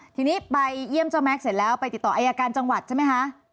ทีนี้ไปเยี่ยมเจ้าแม็กซเสร็จแล้วไปติดต่ออายการจังหวัดใช่ไหมคะ